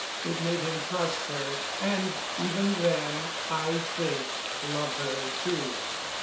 It made him trust her; and even then, I think love her, too.